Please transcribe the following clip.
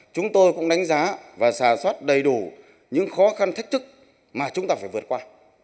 chúng tôi cũng đánh giá và xà xoát đầy đủ những khó khăn thách thức mà chúng ta phải vượt qua